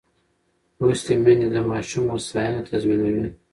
لوستې میندې د ماشوم هوساینه تضمینوي.